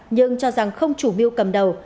nhưng cho rằng không chủ mưu cầm đầu